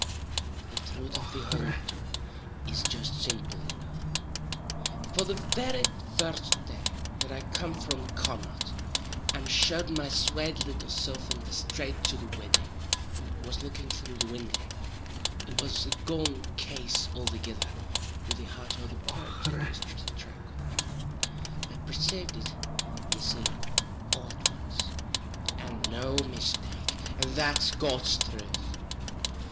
The truth of the houl matter is jist simple enough; for the very first day that I com'd from Connaught, and showd my swate little silf in the strait to the widdy, who was looking through the windy, it was a gone case althegither with the heart o' the purty Misthress Tracle. I percaved it, ye see, all at once, and no mistake, and that's God's truth.